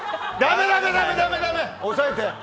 抑えて！